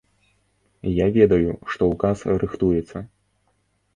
Я ведаю, што ўказ рыхтуецца.